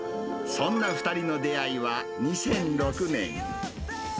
そんな２人の出会いは、２００６年。